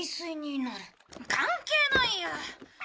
関係ないや。